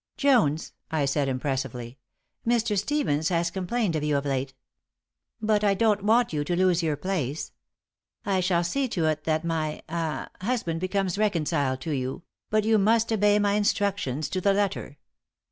"Jones," I said, impressively, "Mr. Stevens has complained of you of late. But I don't want you to lose your place. I shall see to it that my ah husband becomes reconciled to you, but you must obey my instructions to the letter.